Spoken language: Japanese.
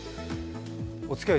おつきあい